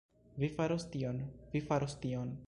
Vi faros tion... vi faros tion...